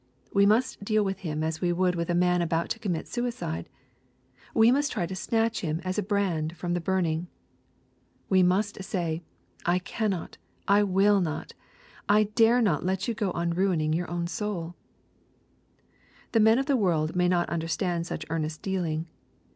We must deal with him as we would with a man about to commit suicide. We must try to snatch him as a brand from the burning. We must say, " I cannot, — ^I will not, — I dare not let you go on ruining your own soul/' The men of the world may not understand such earnest dealing.